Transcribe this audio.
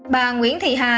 bà nguyễn thị hà